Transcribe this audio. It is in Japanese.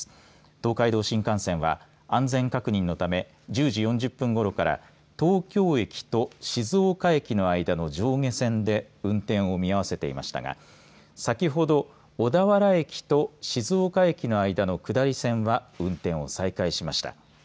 東海道新幹線は安全確認のため１０時４０分ごろから東京駅と静岡駅の間の上下線で運転を見合わせていましたが先ほど小田原駅と静岡駅の間の下り線は運転を再開しました。